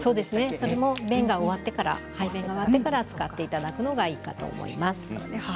それは便が終わってから使っていただくのがいいと思います。